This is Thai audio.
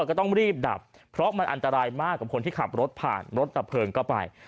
ก็ต้องรีบดับเพราะมันอันตรายมากกับคนที่ขับรถผ่านรถดับเพลิงก็ไป